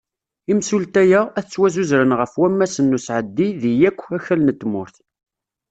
Imsulta-a, ad ttwasuzren ɣef wammasen n usɛeddi deg yakk akal n tmurt.